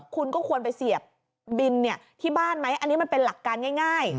คุณก็ควรไปเสียบบินที่บ้านไหมอันนี้มันเป็นหลักการง่าย